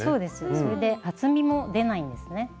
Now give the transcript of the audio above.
それで厚みも出ないんですね。